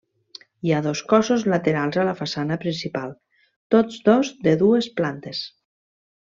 Hi ha dos cossos laterals a la façana principal, tots dos de dues plantes.